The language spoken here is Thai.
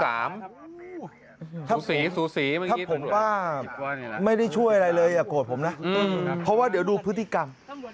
ถ้าผมว่าไม่ได้ช่วยอะไรเลยอย่าโกรธผมนะเพราะว่าเดี๋ยวดูพฤติกรรม